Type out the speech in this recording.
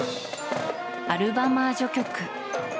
「アルヴァマー序曲」。